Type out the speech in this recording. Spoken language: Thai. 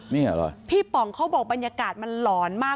นี่เหรอพี่ป๋องเขาบอกบรรยากาศมันหลอนมาก